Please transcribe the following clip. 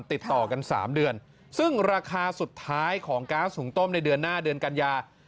ติดต่อกัน๓เดือนซึ่งราคาสุดท้ายของก๊าซหุงต้มในเดือนหน้าเดือนกัญญา